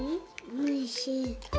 おいしい。